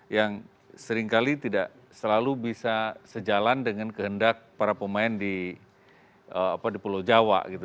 yang seringkali tidak selalu bisa sejalan dengan kehendak para pemain di pulau jawa gitu